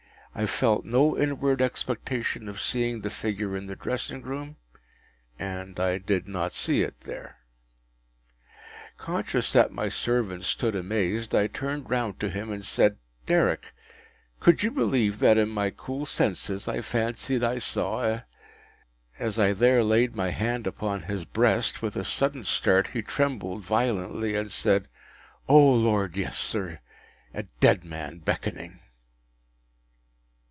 I felt no inward expectation of seeing the figure in the dressing room, and I did not see it there. Conscious that my servant stood amazed, I turned round to him, and said: “Derrick, could you believe that in my cool senses I fancied I saw a —” As I there laid my hand upon his breast, with a sudden start he trembled violently, and said, “O Lord, yes, sir! A dead man beckoning!